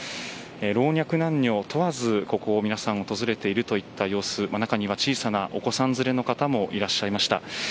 老若男女問わずここを皆さん訪れているといった様子、中には小さなお子さん連れの方もいらっしゃいました。